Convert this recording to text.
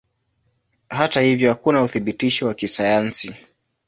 Hata hivyo hakuna uthibitisho wa kisayansi.